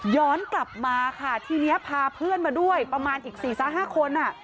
ย้อนกลับมาค่ะทีนี้พาเพื่อนมาด้วยประมาณอีก๔๕คน